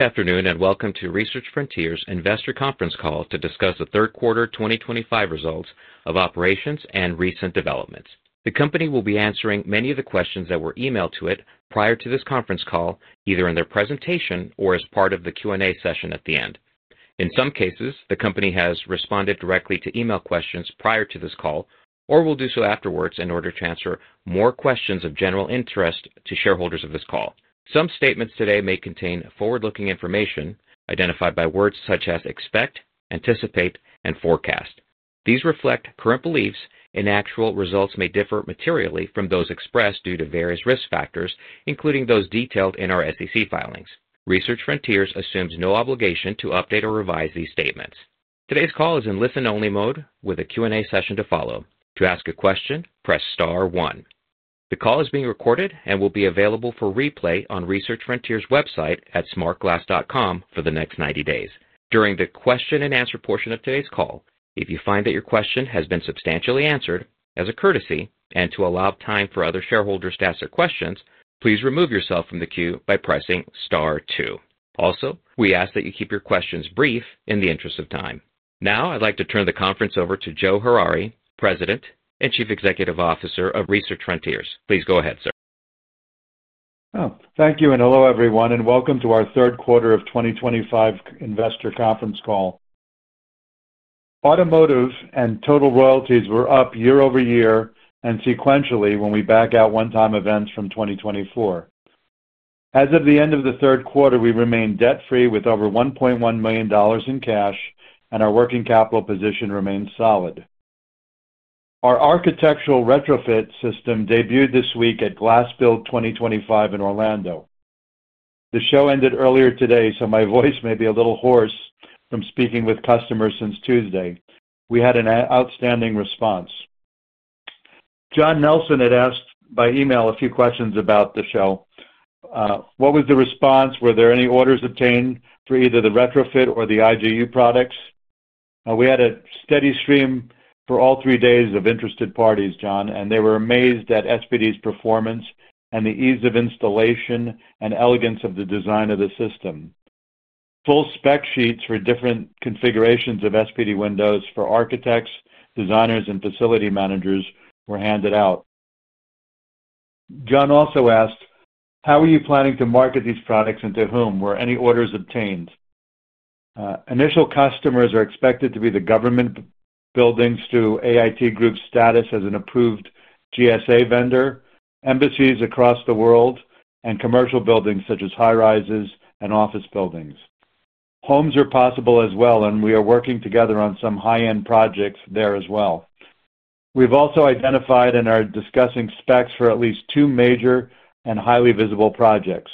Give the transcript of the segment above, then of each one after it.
Good afternoon and welcome to Research Frontiers' investor conference call to discuss the third-quarter 2025 results of operations and recent developments. The company will be answering many of the questions that were emailed to it prior to this conference call, either in their presentation or as part of the Q&A session at the end. In some cases, the company has responded directly to email questions prior to this call or will do so afterwards in order to answer more questions of general interest to shareholders of this call. Some statements today may contain forward-looking information identified by words such as expect, anticipate, and forecast. These reflect current beliefs, and actual results may differ materially from those expressed due to various risk factors, including those detailed in our SEC filings. Research Frontiers assumes no obligation to update or revise these statements. Today's call is in listen-only mode with a Q&A session to follow. To ask a question, press star one. The call is being recorded and will be available for replay on Research Frontiers' website at smartglass.com for the next 90 days. During the question-and-answer portion of today's call, if you find that your question has been substantially answered, as a courtesy and to allow time for other shareholders to ask their questions, please remove yourself from the queue by pressing star two. Also, we ask that you keep your questions brief in the interest of time. Now, I'd like to turn the conference over to Joe Harary, President and Chief Executive Officer of Research Frontiers. Please go ahead, sir. Thank you and hello, everyone, and welcome to our third quarter of 2025 investor conference call. Automotive and total royalties were up year-over-year and sequentially when we back out 1x events from 2024. As of the end of the third quarter, we remain debt-free with over $1.1 million in cash, and our working capital position remains solid. Our architectural retrofit system debuted this week at GlassBuild 2025 in Orlando. The show ended earlier today, so my voice may be a little hoarse from speaking with customers since Tuesday. We had an outstanding response. John Nelson had asked by email a few questions about the show. What was the response? Were there any orders obtained for either the retrofit or the IGU products? We had a steady stream for all three days of interested parties, John, and they were amazed at SPD's performance and the ease of installation and elegance of the design of the system. Full spec sheets for different configurations of SPD windows for architects, designers, and facility managers were handed out. John also asked, "How are you planning to market these products and to whom? Were any orders obtained?" Initial customers are expected to be the government. Buildings due to AIT Group's status as an approved GSA vendor, embassies across the world, and commercial buildings such as high-rises and office buildings. Homes are possible as well, and we are working together on some high-end projects there as well. We've also identified and are discussing specs for at least two major and highly visible projects.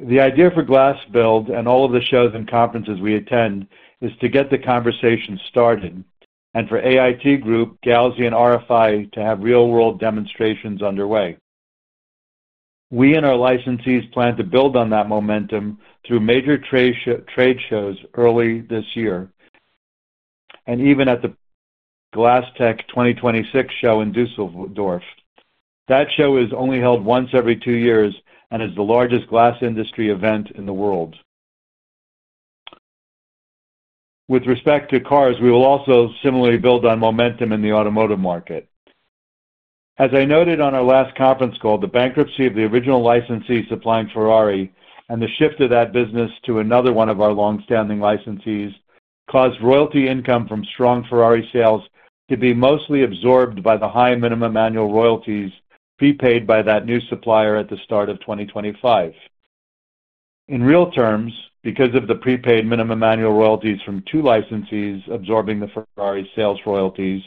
The idea for Glass Build and all of the shows and conferences we attend is to get the conversation started and for AIT Group, Gauzy, and RFI to have real-world demonstrations underway. We and our licensees plan to build on that momentum through major trade shows early this year. Even at the GlassTec 2026 show in Düsseldorf. That show is only held once every two years and is the largest glass industry event in the world. With respect to cars, we will also similarly build on momentum in the automotive market. As I noted on our last conference call, the bankruptcy of the original licensee supplying Ferrari and the shift of that business to another one of our long-standing licensees caused royalty income from strong Ferrari sales to be mostly absorbed by the high minimum annual royalties prepaid by that new supplier at the start of 2025. In real terms, because of the prepaid minimum annual royalties from two licensees absorbing the Ferrari sales royalties,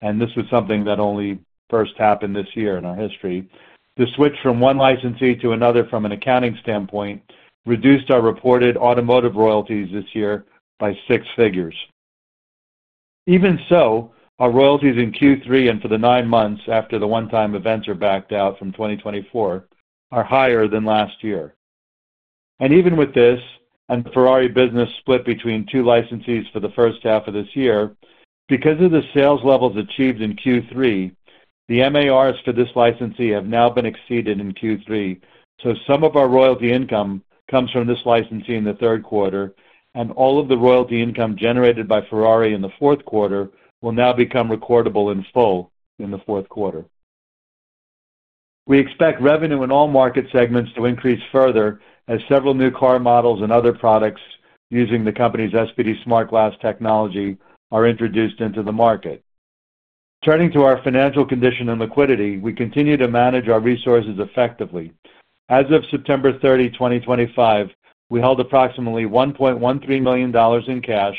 and this was something that only first happened this year in our history, the switch from one licensee to another from an accounting standpoint reduced our reported automotive royalties this year by six figures. Even so, our royalties in Q3 and for the nine months after the one-time events are backed out from 2024 are higher than last year. Even with this and the Ferrari business split between two licensees for the first half of this year, because of the sales levels achieved in Q3, the MARs for this licensee have now been exceeded in Q3. Some of our royalty income comes from this licensee in the third quarter, and all of the royalty income generated by Ferrari in the fourth quarter will now become recordable in full in the fourth quarter. We expect revenue in all market segments to increase further as several new car models and other products using the company's SPD Smart Glass technology are introduced into the market. Turning to our financial condition and liquidity, we continue to manage our resources effectively. As of September 30, 2025, we held approximately $1.13 million in cash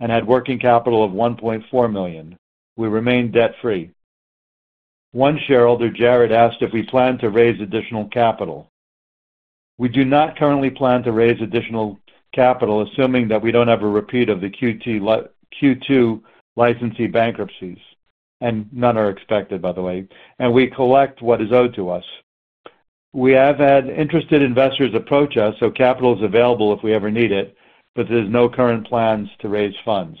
and had working capital of $1.4 million. We remain debt-free. One shareholder, Jared, asked if we plan to raise additional capital. We do not currently plan to raise additional capital, assuming that we do not have a repeat of the Q2 licensee bankruptcies, and none are expected, by the way, and we collect what is owed to us. We have had interested investors approach us, so capital is available if we ever need it, but there's no current plans to raise funds.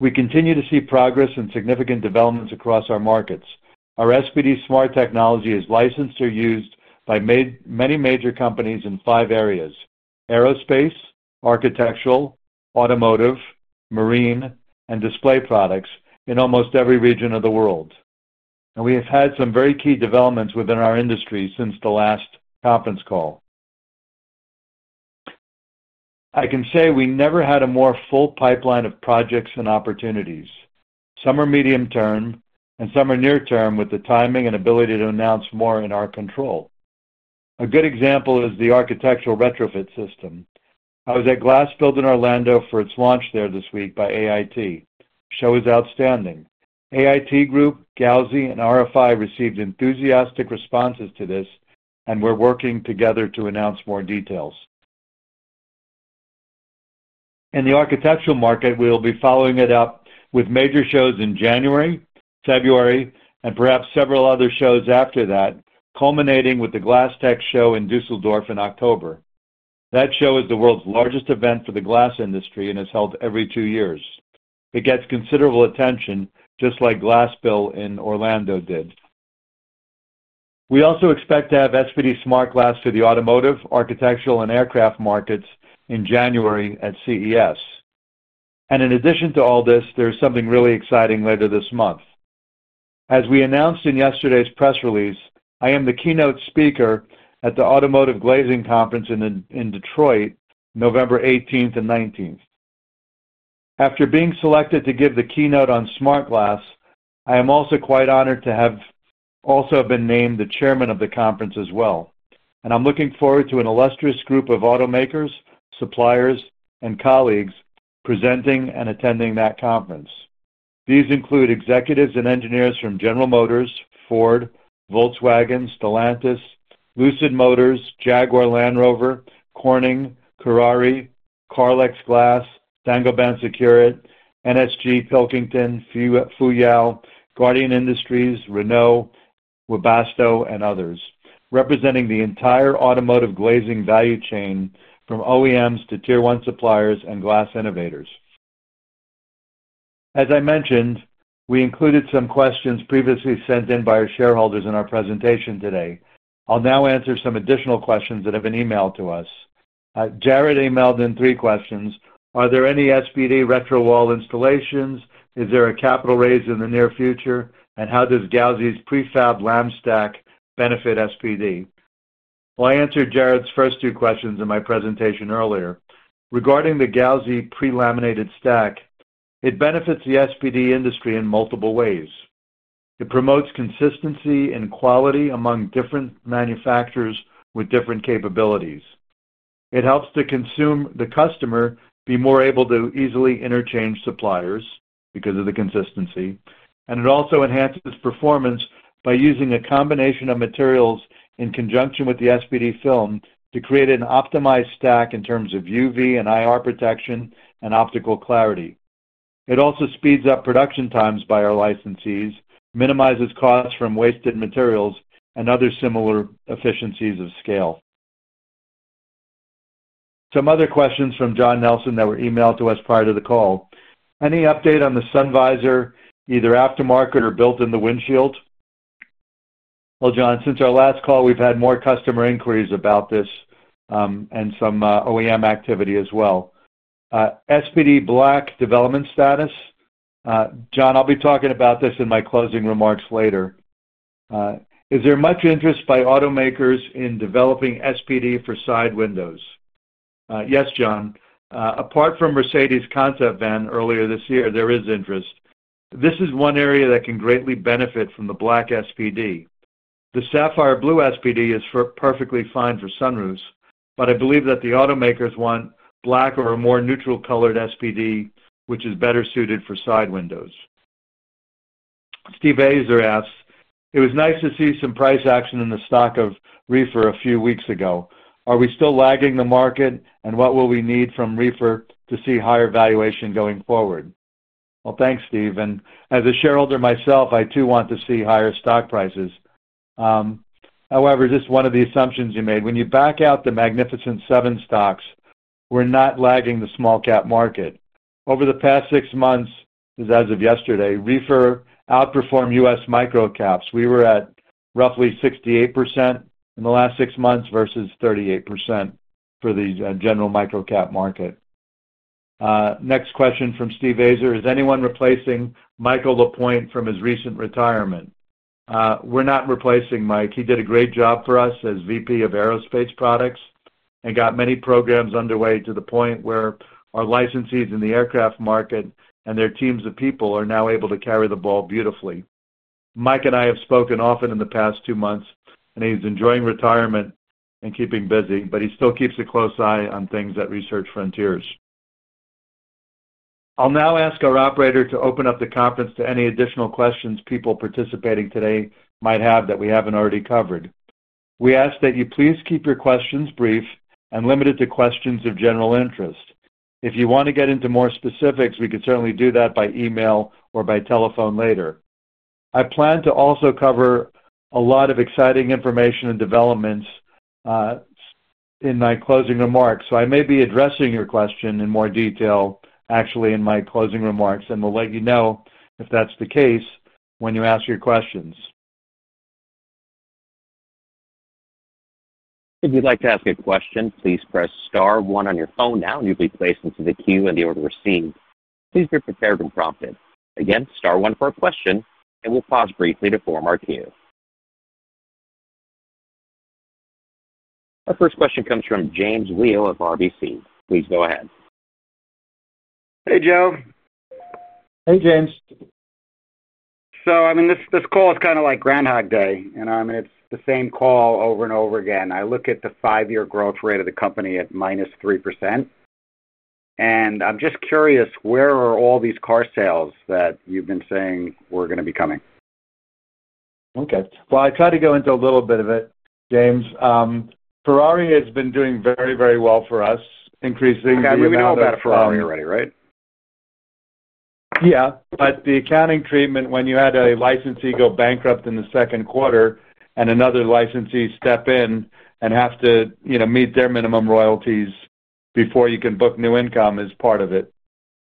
We continue to see progress and significant developments across our markets. Our SPD Smart technology is licensed or used by many major companies in five areas: aerospace, architectural, automotive, marine, and display products in almost every region of the world. We have had some very key developments within our industry since the last conference call. I can say we never had a more full pipeline of projects and opportunities. Some are medium term, and some are near term, with the timing and ability to announce more in our control. A good example is the architectural retrofit system. I was at GlassBuild in Orlando for its launch there this week by AIT. The show is outstanding. AIT Group, Gauzy, and RFI received enthusiastic responses to this, and we're working together to announce more details. In the architectural market, we'll be following it up with major shows in January, February, and perhaps several other shows after that, culminating with the GlassTec show in Düsseldorf in October. That show is the world's largest event for the glass industry and is held every two years. It gets considerable attention, just like Glass Build in Orlando did. We also expect to have SPD Smart Glass for the automotive, architectural, and aircraft markets in January at CES. In addition to all this, there is something really exciting later this month. As we announced in yesterday's press release, I am the keynote speaker at the Automotive Glazing Conference in Detroit, November 18th and 19th. After being selected to give the keynote on Smart Glass, I am also quite honored to have also been named the chairman of the conference as well. I'm looking forward to an illustrious group of automakers, suppliers, and colleagues presenting and attending that conference. These include executives and engineers from General Motors, Ford, Volkswagen, Stellantis, Lucid Motors, Jaguar Land Rover, Corning, Ferrari, Carlex Glass, Saint-Gobain Sekurit, NSG, Pilkington, Fuyao, Guardian Industries, Renault, Webasto, and others, representing the entire automotive glazing value chain from OEMs to tier 1 suppliers and glass innovators. As I mentioned, we included some questions previously sent in by our shareholders in our presentation today. I'll now answer some additional questions that have been emailed to us. Jared emailed in three questions. Are there any SPD retrofit wall installations? Is there a capital raise in the near future? How does Gauzy's prefab lam stack benefit SPD? I answered Jared's first two questions in my presentation earlier. Regarding the Gauzy pre-laminated stack, it benefits the SPD industry in multiple ways. It promotes consistency and quality among different manufacturers with different capabilities. It helps the customer be more able to easily interchange suppliers because of the consistency. It also enhances performance by using a combination of materials in conjunction with the SPD film to create an optimized stack in terms of UV and IR protection and optical clarity. It also speeds up production times by our licensees, minimizes costs from wasted materials, and other similar efficiencies of scale. Some other questions from John Nelson that were emailed to us prior to the call. Any update on the sunvisor, either aftermarket or built-in the windshield? John, since our last call, we have had more customer inquiries about this. Some OEM activity as well. SPD black development status. John, I'll be talking about this in my closing remarks later. Is there much interest by automakers in developing SPD for side windows? Yes, John. Apart from Mercedes' concept van earlier this year, there is interest. This is one area that can greatly benefit from the black SPD. The sapphire blue SPD is perfectly fine for sunroofs, but I believe that the automakers want black or a more neutral-colored SPD, which is better suited for side windows. Steve Azar asked, "It was nice to see some price action in the stock of RFI a few weeks ago. Are we still lagging the market, and what will we need from RFI to see higher valuation going forward?" Thanks, Steve. As a shareholder myself, I too want to see higher stock prices. However, just one of the assumptions you made. When you back out the Magnificent Seven stocks, we're not lagging the small-cap market. Over the past six months, as of yesterday, RFI outperformed U.S. microcaps. We were at roughly 68% in the last six months versus 38% for the general microcap market. Next question from Steve Azar. Is anyone replacing Michael Lapointe from his recent retirement? We're not replacing Mike. He did a great job for us as VP of aerospace products and got many programs underway to the point where our licensees in the aircraft market and their teams of people are now able to carry the ball beautifully. Mike and I have spoken often in the past two months, and he's enjoying retirement and keeping busy, but he still keeps a close eye on things at Research Frontiers. I'll now ask our operator to open up the conference to any additional questions people participating today might have that we haven't already covered. We ask that you please keep your questions brief and limited to questions of general interest. If you want to get into more specifics, we could certainly do that by email or by telephone later. I plan to also cover a lot of exciting information and developments in my closing remarks. I may be addressing your question in more detail actually in my closing remarks, and we'll let you know if that's the case when you ask your questions. If you'd like to ask a question, please press Star one on your phone now, and you'll be placed into the queue in the order received. Please be prepared and prompted. Again, Star one for a question, and we'll pause briefly to form our queue. Our first question comes from James Le of RBC. Please go ahead. Hey, Joe. Hey, James. I mean, this call is kind of like Groundhog Day, and it's the same call over and over again. I look at the five-year growth rate of the company at -3%. I'm just curious, where are all these car sales that you've been saying were going to be coming? Okay. I try to go into a little bit of it, James. Ferrari has been doing very, very well for us, increasing the— We know about Ferrari already, right? Yeah. The accounting treatment when you had a licensee go bankrupt in the second quarter and another licensee step in and have to meet their minimum royalties before you can book new income is part of it.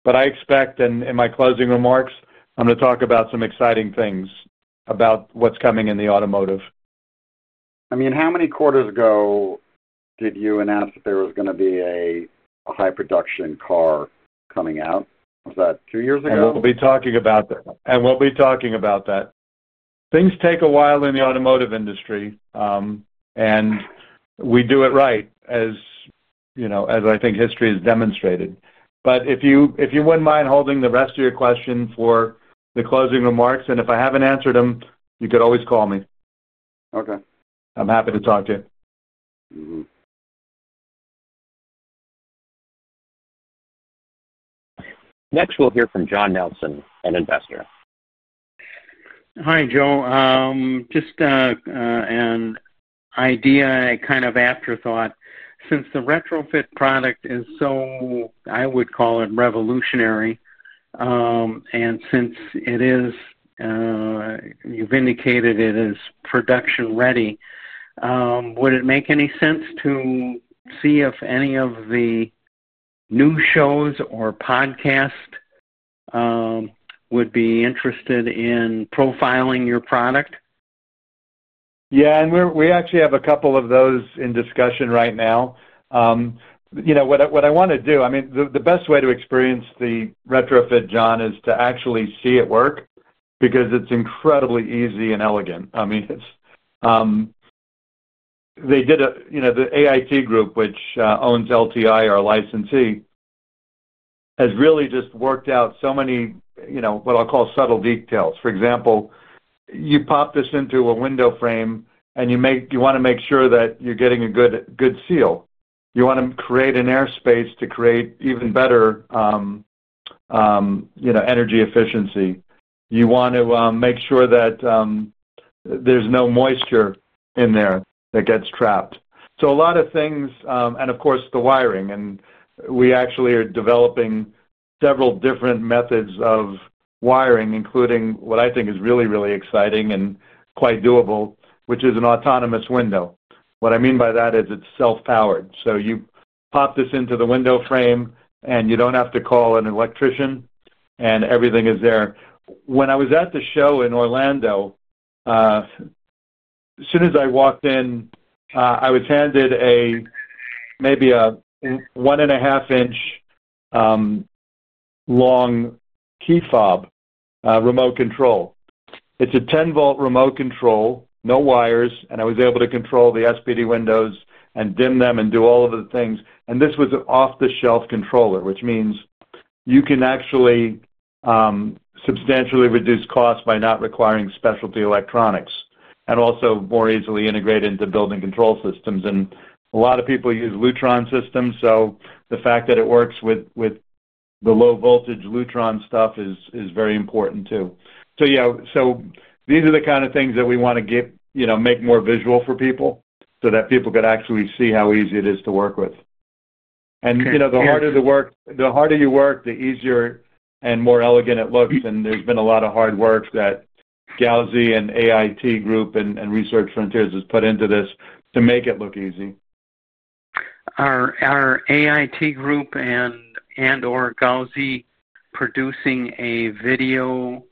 I expect, and in my closing remarks, I'm going to talk about some exciting things about what's coming in the automotive. I mean, how many quarters ago did you announce that there was going to be a high-production car coming out? Was that two years ago? We'll be talking about that. We'll be talking about that. Things take a while in the automotive industry. We do it right as I think history has demonstrated. If you wouldn't mind holding the rest of your question for the closing remarks, and if I haven't answered them, you could always call me. Okay. I'm happy to talk to you. Next, we'll hear from John Nelson, an investor. Hi, Joe. Just an idea, a kind of afterthought. Since the retrofit product is so, I would call it revolutionary. And since it is. You've indicated it is production-ready. Would it make any sense to see if any of the new shows or podcasts would be interested in profiling your product? Yeah. And we actually have a couple of those in discussion right now. What I want to do, I mean, the best way to experience the retrofit, John, is to actually see it work because it's incredibly easy and elegant. I mean, they did a—the AIT Group, which owns LTI, our licensee, has really just worked out so many what I'll call subtle details. For example, you pop this into a window frame, and you want to make sure that you're getting a good seal. You want to create an airspace to create even better energy efficiency. You want to make sure that there's no moisture in there that gets trapped. So a lot of things, and of course, the wiring. We actually are developing several different methods of wiring, including what I think is really, really exciting and quite doable, which is an autonomous window. What I mean by that is it's self-powered. You pop this into the window frame, and you don't have to call an electrician, and everything is there. When I was at the show in Orlando, as soon as I walked in, I was handed maybe a one-and-a-half-inch long key fob remote control. It's a 10 V remote control, no wires, and I was able to control the SPD windows and dim them and do all of the things. This was an off-the-shelf controller, which means you can actually substantially reduce costs by not requiring specialty electronics and also more easily integrate into building control systems. A lot of people use Lutron systems, so the fact that it works with the low-voltage Lutron stuff is very important too. These are the kind of things that we want to make more visual for people so that people could actually see how easy it is to work with. The harder you work, the easier and more elegant it looks. There has been a lot of hard work that Gauzy and AIT Group and Research Frontiers has put into this to make it look easy. Are AIT Group and/or Gauzy producing a video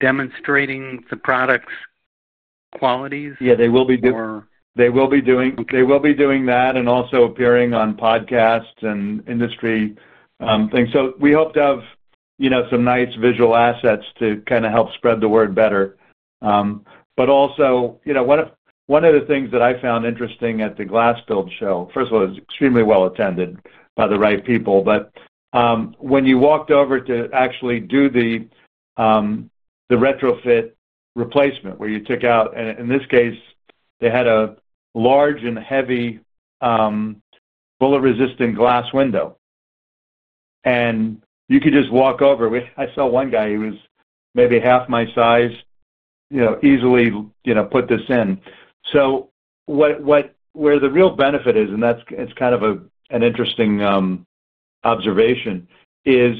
demonstrating the product's qualities? Yeah, they will be doing that and also appearing on podcasts and industry things. We hope to have some nice visual assets to kind of help spread the word better. Also, one of the things that I found interesting at the GlassBuild show, first of all, it was extremely well attended by the right people. When you walked over to actually do the retrofit replacement, where you took out—and in this case, they had a large and heavy bullet-resistant glass window—you could just walk over. I saw one guy who was maybe half my size, easily put this in. Where the real benefit is, and it's kind of an interesting observation, is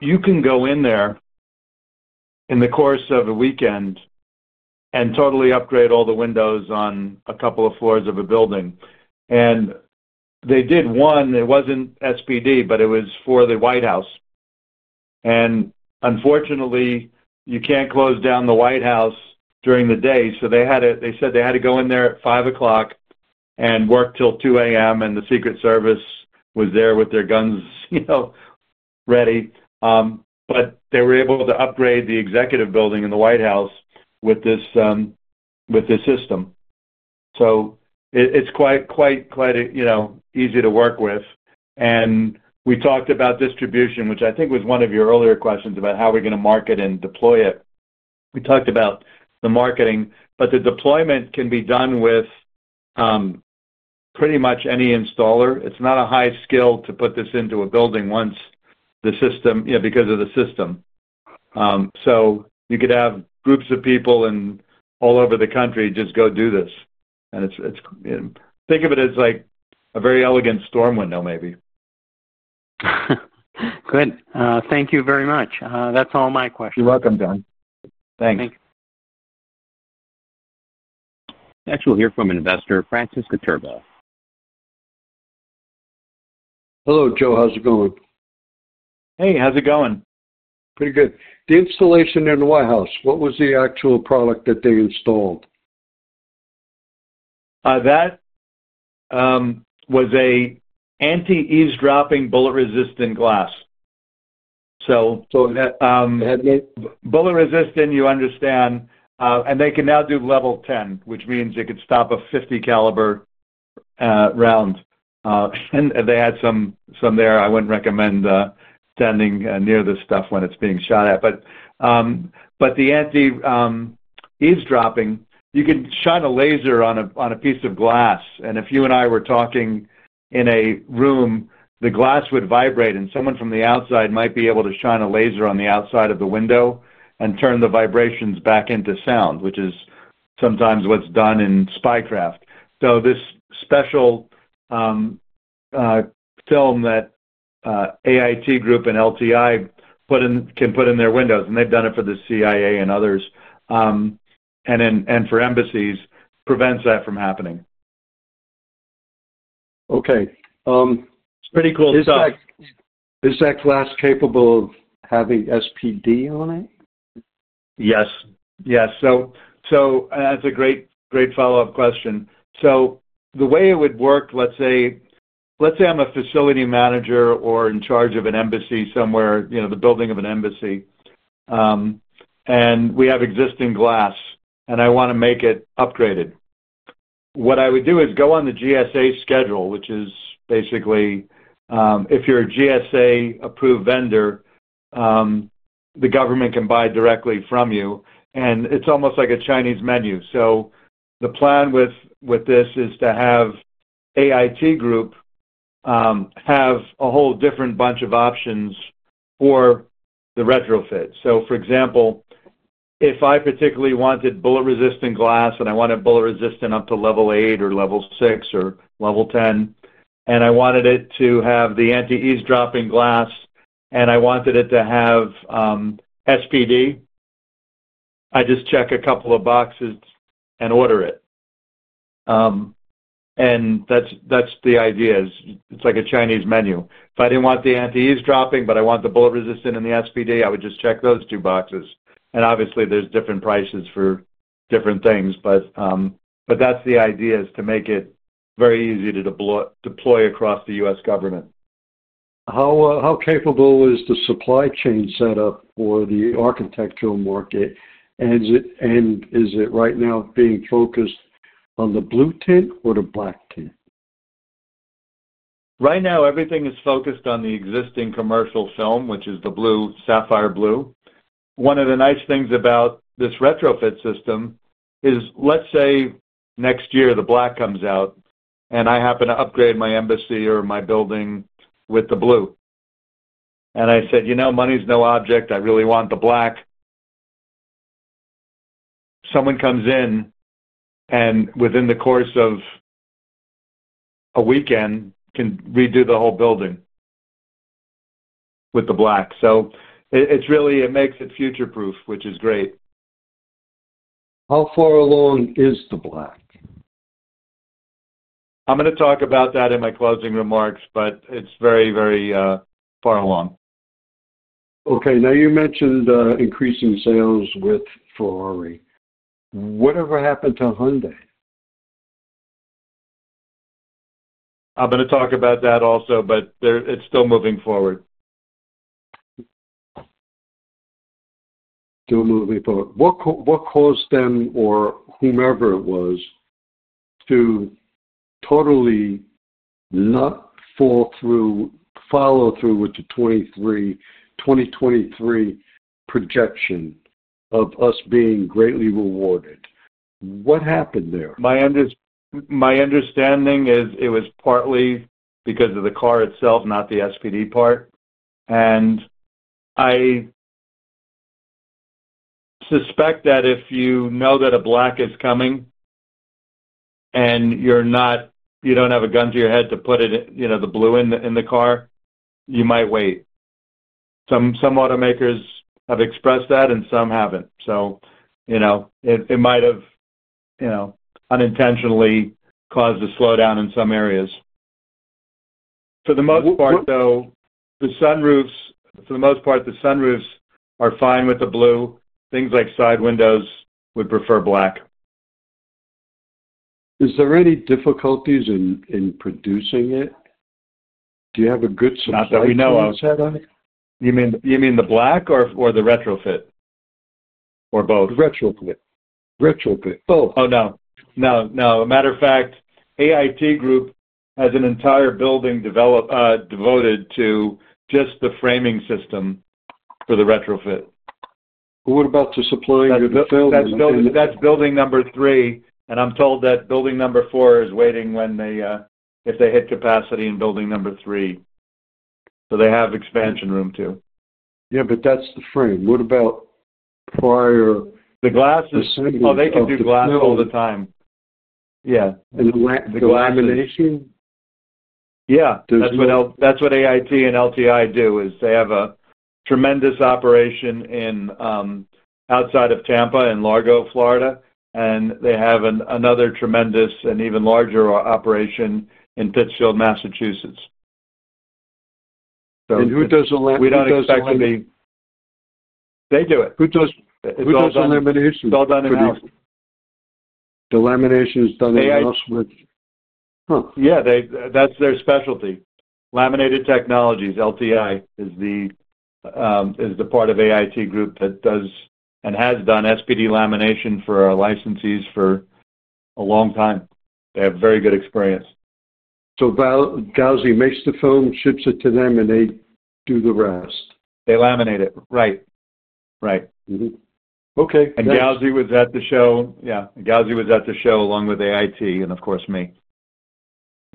you can go in there in the course of a weekend and totally upgrade all the windows on a couple of floors of a building. They did one—it was not SPD, but it was for the White House. Unfortunately, you cannot close down the White House during the day. They said they had to go in there at 5:00 o'clock` and work till 2:00 A.M., and the Secret Service was there with their guns. Ready. They were able to upgrade the executive building in the White House with this system. It is quite, quite, quite easy to work with. We talked about distribution, which I think was one of your earlier questions about how we are going to market and deploy it. We talked about the marketing, but the deployment can be done with pretty much any installer. It is not a high skill to put this into a building once the system—because of the system. You could have groups of people all over the country just go do this. Think of it as a very elegant storm window, maybe. Good. Thank you very much. That is all my questions. You are welcome, John. Thanks. Thanks. Next, we'll hear from investor Francis Cotturbo. Hello, Joe. How's it going? Hey, how's it going? Pretty good. The installation in the White House, what was the actual product that they installed? That was an anti-eavesdropping bullet-resistant glass. Bullet-resistant, you understand. They can now do level 10, which means it could stop a 50 caliber round. They had some there. I wouldn't recommend standing near this stuff when it's being shot at. The anti-eavesdropping—you can shine a laser on a piece of glass. If you and I were talking in a room, the glass would vibrate, and someone from the outside might be able to shine a laser on the outside of the window and turn the vibrations back into sound, which is sometimes what's done in spycraft. This special film that. AIT Group and LTI can put in their windows, and they've done it for the CIA and others. And for embassies, prevents that from happening. Okay. It's pretty cool stuff. Is that glass capable of having SPD on it? Yes. Yes. That's a great follow-up question. The way it would work, let's say, I'm a facility manager or in charge of an embassy somewhere, the building of an embassy. We have existing glass, and I want to make it upgraded. What I would do is go on the GSA schedule, which is basically, if you're a GSA-approved vendor, the government can buy directly from you. It's almost like a Chinese menu. The plan with this is to have AIT Group have a whole different bunch of options for the retrofit. For example, if I particularly wanted bullet-resistant glass, and I wanted bullet-resistant up to level eight or level six or level 10, and I wanted it to have the anti-eavesdropping glass, and I wanted it to have SPD, I just check a couple of boxes and order it. That's the idea. It's like a Chinese menu. If I didn't want the anti-eavesdropping, but I want the bullet-resistant and the SPD, I would just check those two boxes. Obviously, there's different prices for different things. That's the idea, is to make it very easy to deploy across the U.S. government. How capable is the supply chain setup for the architectural market? Is it right now being focused on the blue tint or the black tint? Right now, everything is focused on the existing commercial film, which is the sapphire blue. One of the nice things about this retrofit system is, let's say next year the black comes out, and I happen to upgrade my embassy or my building with the blue. I said, "Money's no object. I really want the black." Someone comes in, and within the course of a weekend, can redo the whole building with the black. It makes it future-proof, which is great. How far along is the black? I'm going to talk about that in my closing remarks, but it's very, very far along. Okay. You mentioned increasing sales with Ferrari. Whatever happened to Hyundai? I'm going to talk about that also, but it's still moving forward. Still moving forward. What caused them, or whomever it was, to totally not follow through with the 2023 projection of us being greatly rewarded? What happened there? My understanding is it was partly because of the car itself, not the SPD part. I suspect that if you know that a black is coming, and you do not have a gun to your head to put the blue in the car, you might wait. Some automakers have expressed that, and some have not. It might have unintentionally caused a slowdown in some areas. For the most part, though, the sunroofs—for the most part, the sunroofs are fine with the blue. Things like side windows would prefer black. Is there any difficulties in producing it? Do you have a good subscription setup? You mean the black or the retrofit? Or both? Retrofit. Retrofit. Both. Oh, no. No. No. Matter of fact, AIT Group has an entire building devoted to just the framing system for the retrofit. What about the supplying of the building? That is building number three. I'm told that building number four is waiting if they hit capacity in building number three. They have expansion room too. Yeah. That's the frame. What about prior? The glass is—oh, they can do glass all the time. Yeah. And the lamination? Yeah. That's what AIT and LTI do, is they have a tremendous operation outside of Tampa in Largo, Florida, and they have another tremendous and even larger operation in Pittsfield, Massachusetts. Who does the lamination? We don't expect them to. They do it. Who does the lamination? It's all done in— the lamination is done in Ellsworth? Yeah. That's their specialty. Laminated Technologies, LTI, is the part of AIT Group that does and has done SPD lamination for licensees for a long time. They have very good experience. So Gauzy makes the film, ships it to them, and they do the rest? They laminate it. Right. Right. And Gauzy was at the show—yeah. Gauzy was at the show along with AIT and, of course, me.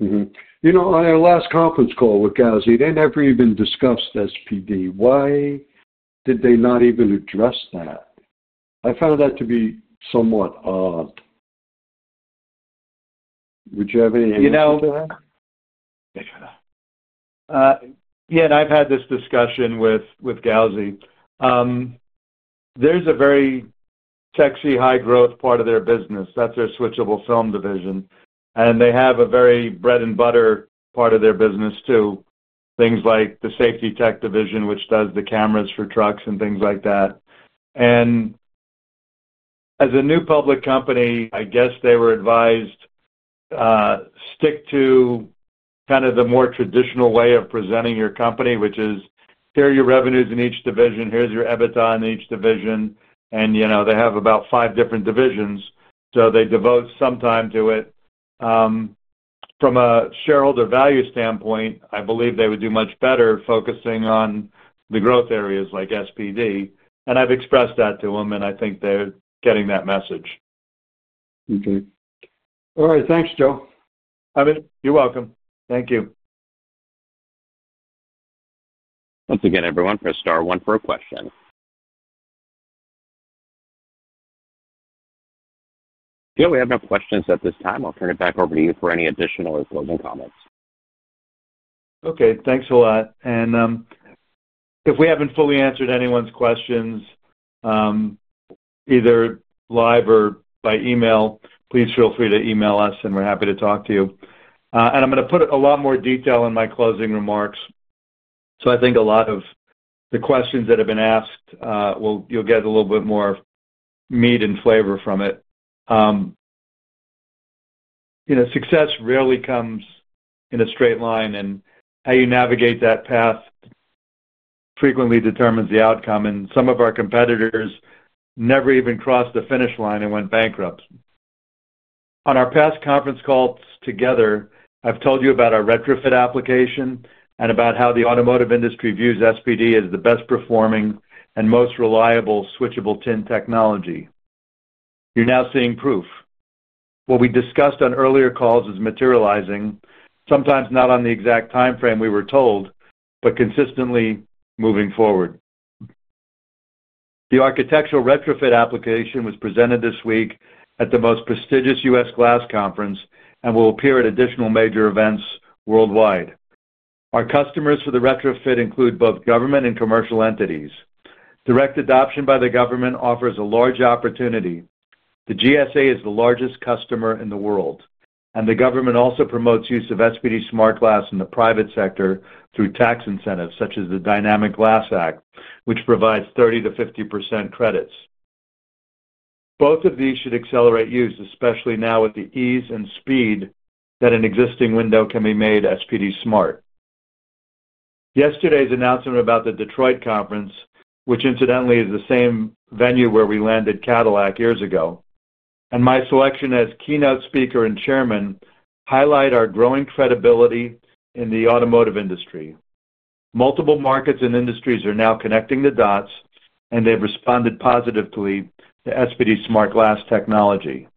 On our last conference call with Gauzy, they never even discussed SPD. Why did they not even address that? I found that to be somewhat odd. Would you have any answer to that? Yeah. And I've had this discussion with Gauzy. There's a very sexy, high-growth part of their business. That's their switchable film division. And they have a very bread-and-butter part of their business too, things like the safety tech division, which does the cameras for trucks and things like that. As a new public company, I guess they were advised to stick to kind of the more traditional way of presenting your company, which is, "Here are your revenues in each division. Here's your EBITDA in each division. And they have about five different divisions, so they devote some time to it. From a shareholder value standpoint, I believe they would do much better focusing on the growth areas like SPD. And I've expressed that to them, and I think they're getting that message. Okay. All right. Thanks, Joe. You're welcome. Thank you. Once again, everyone, for a star one for a question. Yeah. We have no questions at this time. I'll turn it back over to you for any additional or closing comments. Okay. Thanks a lot. If we haven't fully answered anyone's questions, either live or by email, please feel free to email us, and we're happy to talk to you. I'm going to put a lot more detail in my closing remarks. I think a lot of the questions that have been asked, you'll get a little bit more meat and flavor from it. Success rarely comes in a straight line, and how you navigate that path frequently determines the outcome. Some of our competitors never even crossed the finish line and went bankrupt. On our past conference calls together, I've told you about our retrofit application and about how the automotive industry views SPD as the best-performing and most reliable switchable tint technology. You're now seeing proof. What we discussed on earlier calls is materializing, sometimes not on the exact timeframe we were told, but consistently moving forward. The architectural retrofit application was presented this week at the most prestigious U.S. glass conference and will appear at additional major events worldwide. Our customers for the retrofit include both government and commercial entities. Direct adoption by the government offers a large opportunity. The GSA is the largest customer in the world. The government also promotes the use of SPD Smart Glass in the private sector through tax incentives such as the Dynamic Glass Act, which provides 30%-50% credits. Both of these should accelerate use, especially now with the ease and speed that an existing window can be made SPD smart. Yesterday's announcement about the Detroit conference, which incidentally is the same venue where we landed Cadillac years ago, and my selection as keynote speaker and chairman highlight our growing credibility in the automotive industry. Multiple markets and industries are now connecting the dots, and they've responded positively to SPD Smart Glass technology.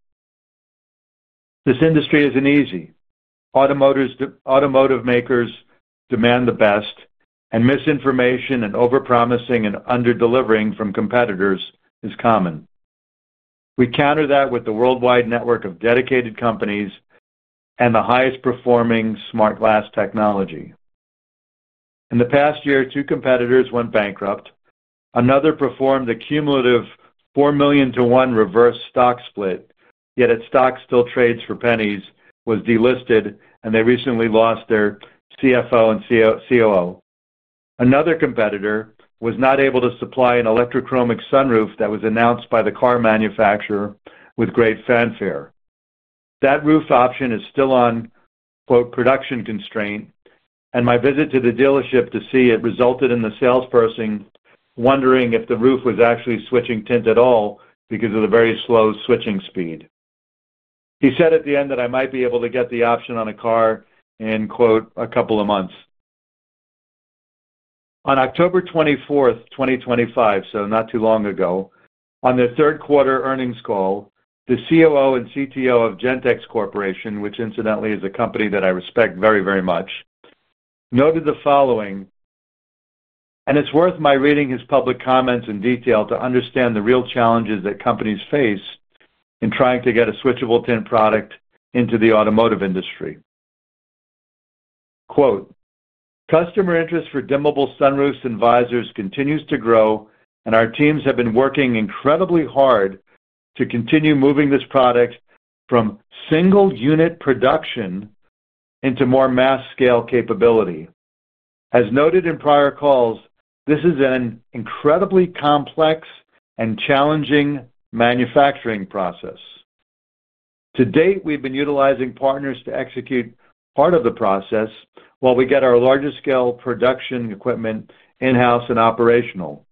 This industry isn't easy. Automotive makers demand the best, and misinformation and overpromising and underdelivering from competitors is common. We counter that with the worldwide network of dedicated companies and the highest-performing smart glass technology. In the past year, two competitors went bankrupt. Another performed a cumulative 4 million to 1 reverse stock split, yet its stock still trades for pennies, was delisted, and they recently lost their CFO and COO. Another competitor was not able to supply an electrochromic sunroof that was announced by the car manufacturer with great fanfare. That roof option is still on "production constraint," and my visit to the dealership to see it resulted in the salesperson wondering if the roof was actually switching tint at all because of the very slow switching speed. He said at the end that I might be able to get the option on a car in "a couple of months." On October 24th, 2025, so not too long ago, on their third-quarter earnings call, the COO and CTO of Gentex Corporation, which incidentally is a company that I respect very, very much, noted the following. It is worth my reading his public comments in detail to understand the real challenges that companies face in trying to get a switchable tint product into the automotive industry. "Customer interest for dimmable sunroofs and visors continues to grow, and our teams have been working incredibly hard to continue moving this product from single-unit production into more mass-scale capability. As noted in prior calls, this is an incredibly complex and challenging manufacturing process. To date, we've been utilizing partners to execute part of the process while we get our largest-scale production equipment in-house and operational.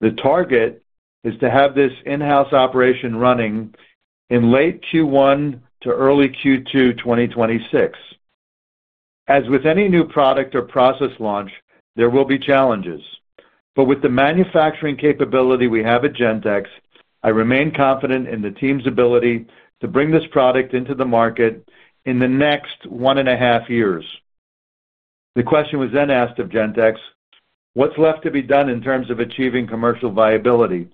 The target is to have this in-house operation running in late Q1 to early Q2 2026. As with any new product or process launch, there will be challenges. With the manufacturing capability we have at Gentex, I remain confident in the team's ability to bring this product into the market in the next one and a half years." The question was then asked of Gentex, "What's left to be done in terms of achieving commercial viability?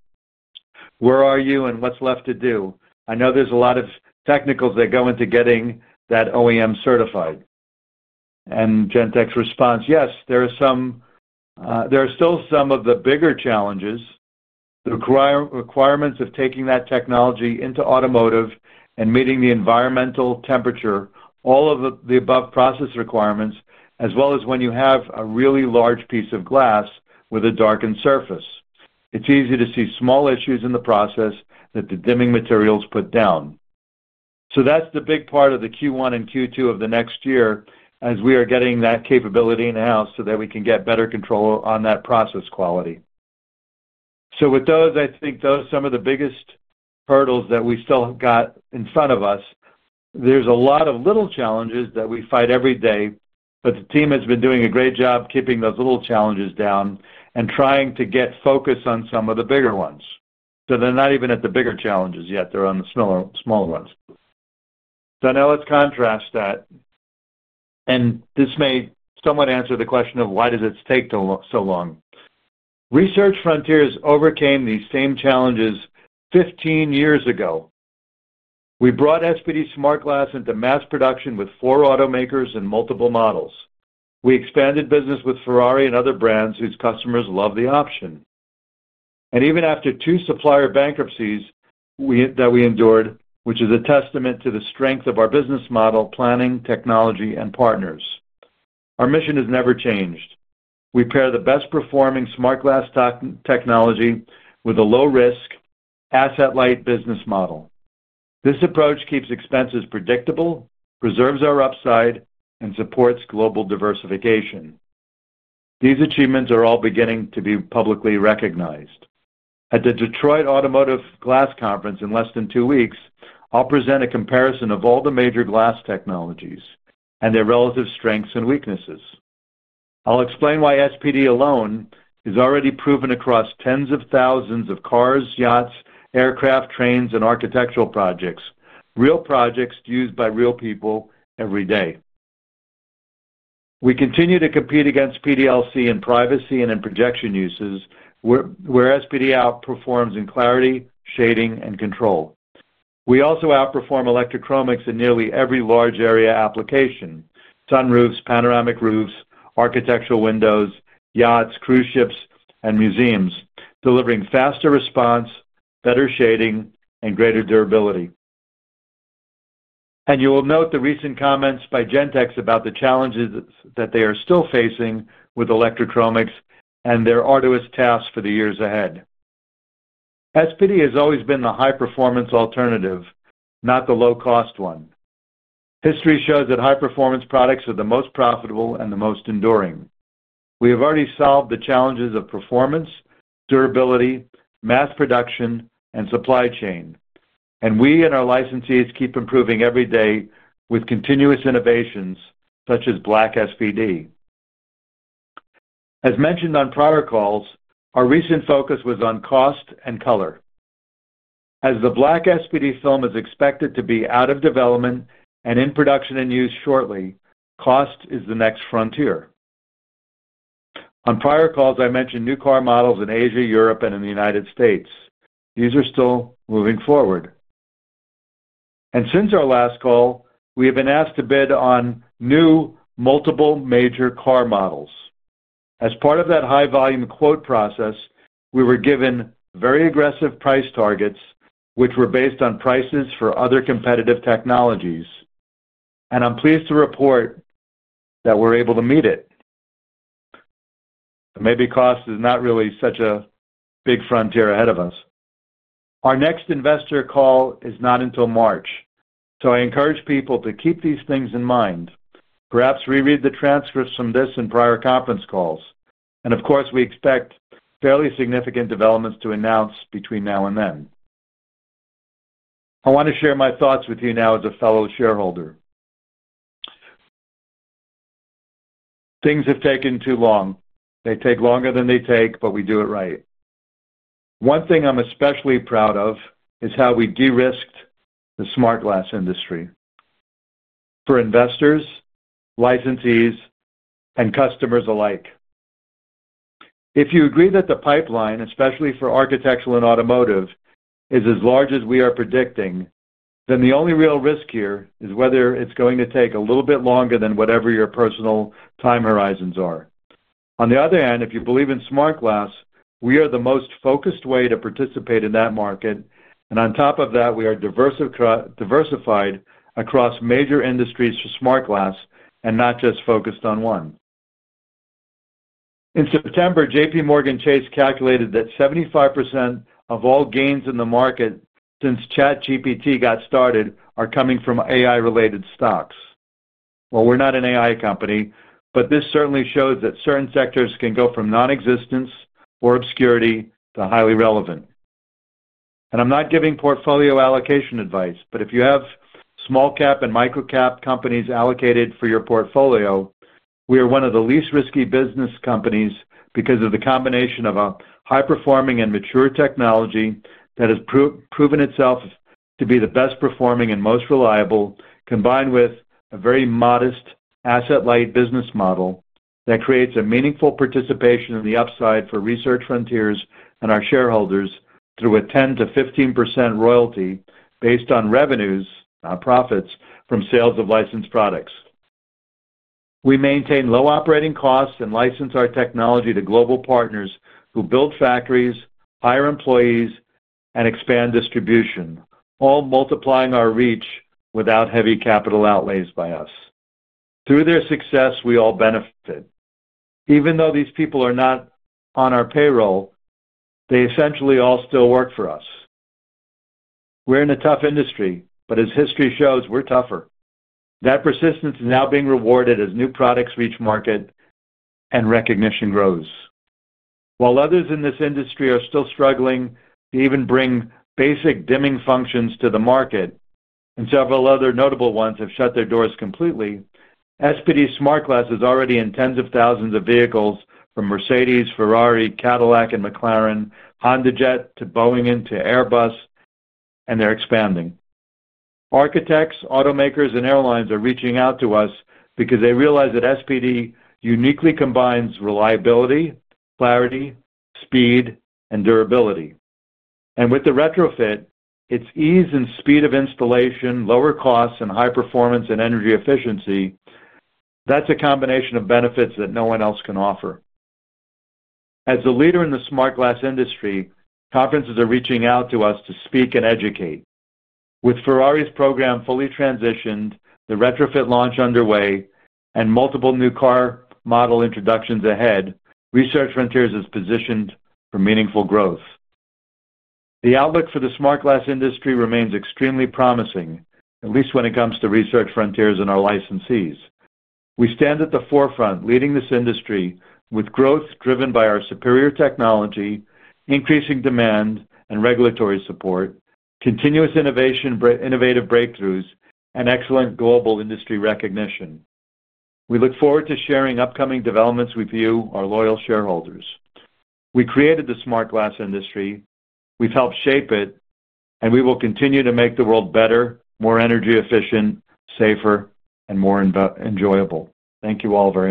Where are you, and what's left to do? I know there's a lot of technicals that go into getting that OEM certified." Gentex responds, "Yes, there are some. There are still some of the bigger challenges. The requirements of taking that technology into automotive and meeting the environmental temperature, all of the above process requirements, as well as when you have a really large piece of glass with a darkened surface. It's easy to see small issues in the process that the dimming materials put down. That's the big part of the Q1 and Q2 of the next year as we are getting that capability in-house so that we can get better control on that process quality. With those, I think those are some of the biggest hurdles that we still have got in front of us. There's a lot of little challenges that we fight every day, but the team has been doing a great job keeping those little challenges down and trying to get focus on some of the bigger ones. They're not even at the bigger challenges yet. They're on the smaller ones. Now let's contrast that. This may somewhat answer the question of why does it take so long. Research Frontiers overcame these same challenges 15 years ago. We brought SPD Smart Glass into mass production with four automakers and multiple models. We expanded business with Ferrari and other brands whose customers love the option. Even after two supplier bankruptcies that we endured, which is a testament to the strength of our business model, planning, technology, and partners. Our mission has never changed. We pair the best-performing smart glass technology with a low-risk, asset-light business model. This approach keeps expenses predictable, preserves our upside, and supports global diversification. These achievements are all beginning to be publicly recognized. At the Detroit Automotive Glass Conference in less than two weeks, I'll present a comparison of all the major glass technologies and their relative strengths and weaknesses. I'll explain why SPD alone is already proven across tens of thousands of cars, yachts, aircraft, trains, and architectural projects, real projects used by real people every day. We continue to compete against PDLC in privacy and in projection uses, where SPD outperforms in clarity, shading, and control. We also outperform electrochromics in nearly every large area application: sunroofs, panoramic roofs, architectural windows, yachts, cruise ships, and museums, delivering faster response, better shading, and greater durability. You will note the recent comments by Gentex about the challenges that they are still facing with electrochromics and their arduous tasks for the years ahead. SPD has always been the high-performance alternative, not the low-cost one. History shows that high-performance products are the most profitable and the most enduring. We have already solved the challenges of performance, durability, mass production, and supply chain. We and our licensees keep improving every day with continuous innovations such as black SPD. As mentioned on prior calls, our recent focus was on cost and color. As the black SPD film is expected to be out of development and in production and used shortly, cost is the next frontier. On prior calls, I mentioned new car models in Asia, Europe, and in the United States. These are still moving forward. Since our last call, we have been asked to bid on new multiple major car models. As part of that high-volume quote process, we were given very aggressive price targets, which were based on prices for other competitive technologies. I am pleased to report that we are able to meet it. Maybe cost is not really such a big frontier ahead of us. Our next investor call is not until March. I encourage people to keep these things in mind. Perhaps reread the transcripts from this and prior conference calls. Of course, we expect fairly significant developments to announce between now and then. I want to share my thoughts with you now as a fellow shareholder. Things have taken too long. They take longer than they take, but we do it right. One thing I'm especially proud of is how we de-risked the smart glass industry for investors, licensees, and customers alike. If you agree that the pipeline, especially for architectural and automotive, is as large as we are predicting, then the only real risk here is whether it's going to take a little bit longer than whatever your personal time horizons are. On the other hand, if you believe in smart glass, we are the most focused way to participate in that market. On top of that, we are diversified across major industries for smart glass and not just focused on one. In September, JPMorgan Chase calculated that 75% of all gains in the market since ChatGPT got started are coming from AI-related stocks. We are not an AI company, but this certainly shows that certain sectors can go from nonexistence or obscurity to highly relevant. I'm not giving portfolio allocation advice, but if you have small-cap and microcap companies allocated for your portfolio, we are one of the least risky business companies because of the combination of a high-performing and mature technology that has proven itself to be the best-performing and most reliable, combined with a very modest, asset-light business model that creates a meaningful participation in the upside for Research Frontiers and our shareholders through a 10-15% royalty based on revenues, not profits, from sales of licensed products. We maintain low operating costs and license our technology to global partners who build factories, hire employees, and expand distribution, all multiplying our reach without heavy capital outlays by us. Through their success, we all benefited. Even though these people are not on our payroll, they essentially all still work for us. We're in a tough industry, but as history shows, we're tougher. That persistence is now being rewarded as new products reach market. And recognition grows. While others in this industry are still struggling to even bring basic dimming functions to the market, and several other notable ones have shut their doors completely, SPD Smart Glass is already in tens of thousands of vehicles from Mercedes, Ferrari, Cadillac, and McLaren, HondaJet, to Boeing, and to Airbus, and they're expanding. Architects, automakers, and airlines are reaching out to us because they realize that SPD uniquely combines reliability, clarity, speed, and durability. With the retrofit, its ease and speed of installation, lower costs, and high performance and energy efficiency, that's a combination of benefits that no one else can offer. As a leader in the smart glass industry, conferences are reaching out to us to speak and educate. With Ferrari's program fully transitioned, the retrofit launch underway, and multiple new car model introductions ahead, Research Frontiers is positioned for meaningful growth. The outlook for the smart glass industry remains extremely promising, at least when it comes to Research Frontiers and our licensees. We stand at the forefront, leading this industry with growth driven by our superior technology, increasing demand, and regulatory support. Continuous innovation, innovative breakthroughs, and excellent global industry recognition. We look forward to sharing upcoming developments with you, our loyal shareholders. We created the smart glass industry. We've helped shape it, and we will continue to make the world better, more energy efficient, safer, and more enjoyable. Thank you all very much.